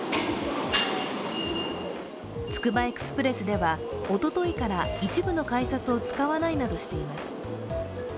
つくばエクスプレスではおとといから一部の改札を使わないなどとしています。